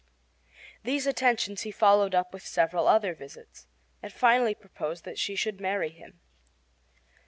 These attentions he followed up with several other visits, and finally proposed that she should marry him.